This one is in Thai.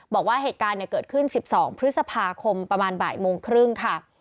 บอกว่าเหตุการณ์เกิดขึ้น๑๒พฤษภาคมประมาณบ่ายโมงครึ่งค่ะ